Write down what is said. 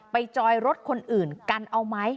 จอยรถคนอื่นกันเอาไหม